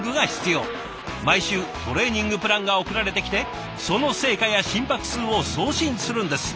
毎週トレーニングプランが送られてきてその成果や心拍数を送信するんです。